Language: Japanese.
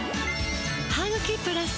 「ハグキプラス」